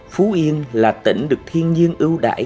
phú yên là tỉnh được thiên nhiên yêu đáy